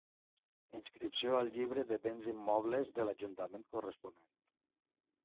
Inscripció al Llibre de béns immobles de l'ajuntament corresponent.